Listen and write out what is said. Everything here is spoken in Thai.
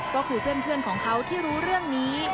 ก็คือเพื่อนของเขาที่รู้เรื่องนี้